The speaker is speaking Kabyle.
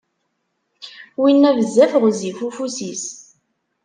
Winna, bezzaf ɣezzif ufus-is.